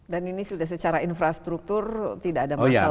dan ini sudah secara infrastruktur tidak ada masalah ya dari